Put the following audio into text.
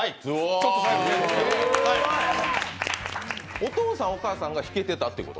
お父さん、お母さんが弾けてたってこと？